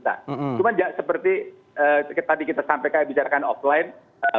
cuma seperti tadi kita sampaikan bicarakan offline